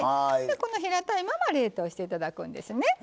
この平たいまま冷凍して頂くんですね。